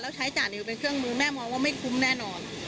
แล้วใช้จ่านิวเป็นเครื่องมือแม่มองว่าไม่คุ้มแน่นอน